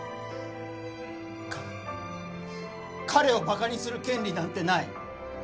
か彼をバカにする権利なんてない！